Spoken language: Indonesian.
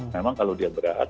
memang kalau dia berat